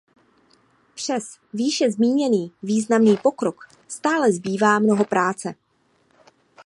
Přes výše zmíněný významný pokrok stále zbývá mnoho práce.